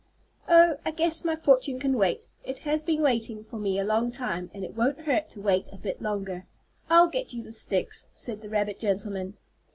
"Oh, I guess my fortune can wait. It has been waiting for me a long time, and it won't hurt to wait a bit longer. I'll get you the sticks," said the rabbit gentleman.